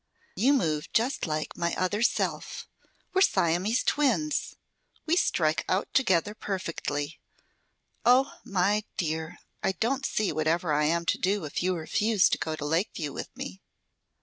"You move just like my other self. We're Siamese twins. We strike out together perfectly. Oh, my dear! I don't see whatever I am to do if you refuse to go to Lakeview with me."